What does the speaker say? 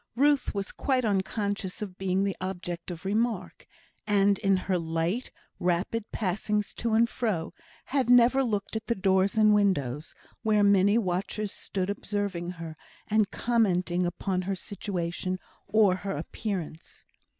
Ruth was quite unconscious of being the object of remark, and, in her light, rapid passings to and fro, had never looked at the doors and windows, where many watchers stood observing her, and commenting upon her situation or her appearance.